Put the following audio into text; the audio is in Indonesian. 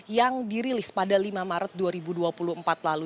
yang dirilis pada lima maret dua ribu dua puluh empat lalu